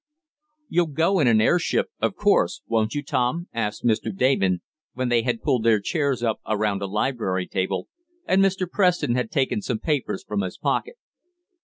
"You'll go in an airship of course; won't you, Tom?" asked Mr. Damon, when they had pulled their chairs up around a library table, and Mr. Preston had taken some papers from his pocket.